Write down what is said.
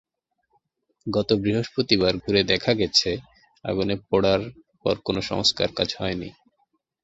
গত বৃহস্পতিবার ঘুরে দেখা গেছে, আগুনে পোড়ার পর কোনো সংস্কারকাজ হয়নি।